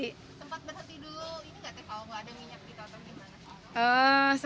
sempat berhenti dulu ini nggak ada minyak kita atau gimana